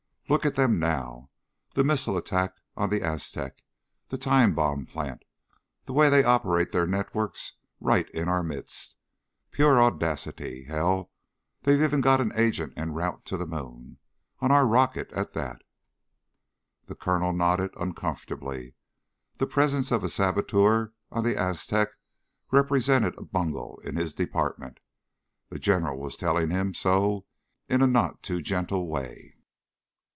Look at them now the missile attack on the Aztec, the time bomb plant, the way they operate their networks right in our midst. Pure audacity. Hell, they've even got an agent en route to the moon. On our rocket at that." The Colonel nodded uncomfortably. The presence of a saboteur on the Aztec represented a bungle in his department. The General was telling him so in a not too gentle way.